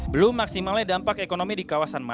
belum maksimalnya dampak ekonomi di kawasan mana